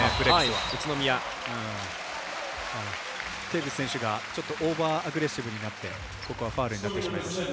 テーブス選手がオーバーアグレッシブになってここはファウルになってしまいました。